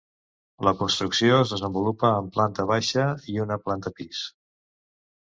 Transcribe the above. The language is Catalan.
La construcció es desenvolupa en planta baixa i una planta pis.